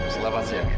selamat siang edo